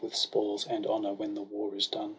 With spoils and honour, when the war is done.